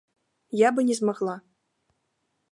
Я бы не змагла.